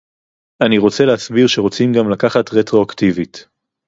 אני רוצה להסביר שרוצים גם לקחת רטרואקטיבית